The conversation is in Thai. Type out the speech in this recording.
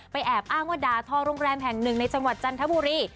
แอบอ้างว่าด่าทอโรงแรมแห่งหนึ่งในจังหวัดจันทบุรี